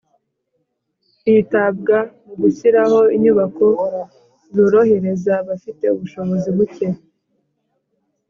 hitabwa mu gushyiraho inyubako zorohereza abafite ubushobozi buke